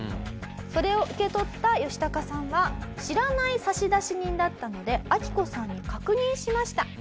それを受け取ったヨシタカさんは知らない差出人だったのでアキコさんに確認しました。